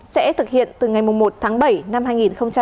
sẽ thực hiện từ ngày một tháng bảy năm hai nghìn hai mươi